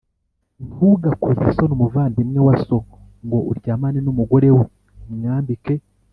Ntugakoze isoni umuvandimwe wa so ngo uryamane n umugore we umwambike